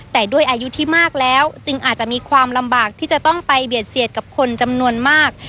แต่ด้วยอายุที่มากแล้วจึงอาจจะมีความลำบากที่จะต้องไปเบียดเสียดกับคนจำนวนมาก